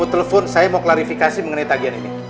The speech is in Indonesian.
telepon saya mau klarifikasi mengenai tagihan ini